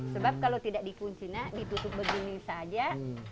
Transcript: sebab kalau tidak dikunci nak ditutup begini saja